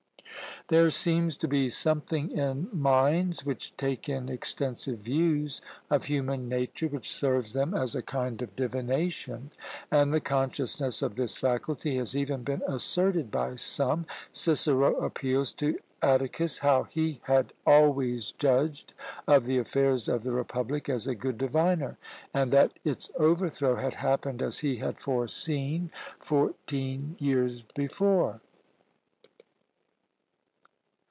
There seems to be something in minds which take in extensive views of human nature which serves them as a kind of divination, and the consciousness of this faculty has even been asserted by some. Cicero appeals to Atticus how he had always judged of the affairs of the republic as a good diviner; and that its overthrow had happened as he had foreseen fourteen years before.